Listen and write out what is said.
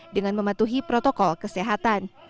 dengan mematuhi protokol kesehatan